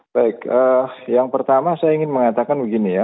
baik yang pertama saya ingin mengatakan begini ya